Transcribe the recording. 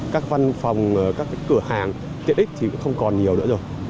các văn phòng các cửa hàng tiện ích thì cũng không còn nhiều nữa rồi